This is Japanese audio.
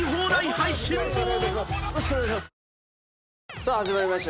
さあ始まりました。